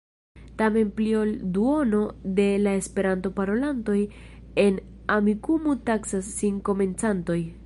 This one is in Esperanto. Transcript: Tamen pli ol duono de la Esperanto-parolantoj en Amikumu taksas sin komencantoj.